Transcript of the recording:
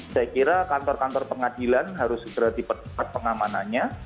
saya kira kantor kantor pengadilan harus segera dipercepat pengamanannya